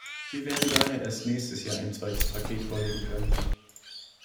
Wir werden daher erst nächstes Jahr ein zweites Paket vorlegen können.